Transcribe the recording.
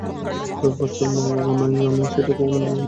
তবে, বাচ্চার মা-বাবা নই আমি এবং সেটা কখনও ভুলবও না!